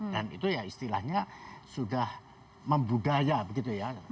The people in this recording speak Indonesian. dan itu ya istilahnya sudah membudaya begitu ya